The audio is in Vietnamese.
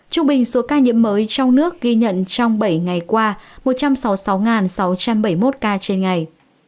trung bình số ca nhiễm mới trong nước ghi nhận trong bảy ngày qua một trăm sáu mươi sáu sáu trăm bảy mươi một ca trên ngày